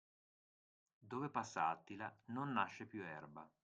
Dove passa Attila non nasce più erba.